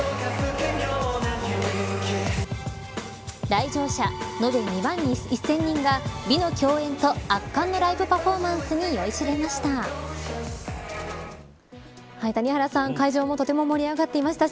来場者延べ２万１０００人が美の競演と圧巻のライブパフォーマンスに酔いしれました。